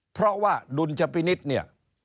เพราะว่าดุลชพินิษฐ์เนี่ย